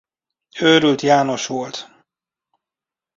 Őrült János volt.